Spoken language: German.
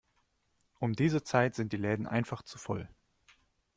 Um diese Zeit sind die Läden einfach zu voll.